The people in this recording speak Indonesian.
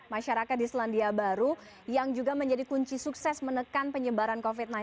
masyarakat di selandia baru yang juga menjadi kunci sukses menekan penyebaran covid sembilan belas